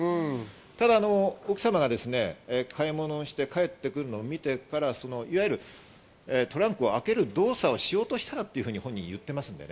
ただ奥様が買い物をして帰ってくるのを見てからトランクを開ける動作をしようとしていたというふうに本人は言ってますね。